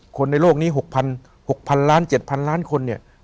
คนในโลกนี้๖๐๐๖๐๐ล้าน๗๐๐ล้านคนเนี่ย